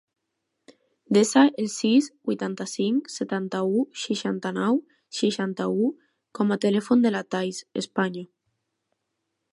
Desa el sis, vuitanta-cinc, setanta-u, seixanta-nou, seixanta-u com a telèfon de la Thaís España.